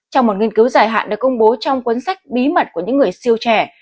trong một nghiên cứu dài hạn được công bố trong cuốn sách bí mật của những người siêu trẻ